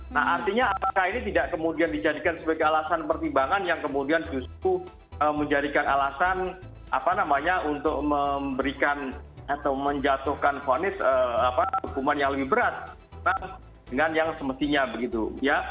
nah artinya apakah ini tidak kemudian dijadikan sebagai alasan pertimbangan yang kemudian justru menjadikan alasan apa namanya untuk memberikan atau menjatuhkan fonis hukuman yang lebih berat dengan yang semestinya begitu ya